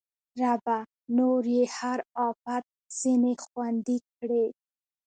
ربه! نور یې هر اپت ځنې خوندي کړې